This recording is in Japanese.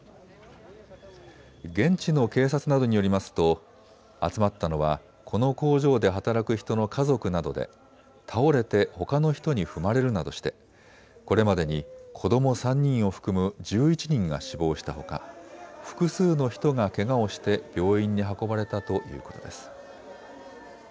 現地の警察などによりますと集まったのはこの工場で働く人の家族などで倒れてほかの人に踏まれるなどしてこれまでに子ども３人を含む１１人が死亡したほか複数の人がけがをして病院に運ばれたということです。